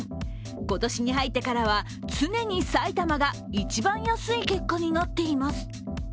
今年に入ってからは常に埼玉が一番安い結果になっています。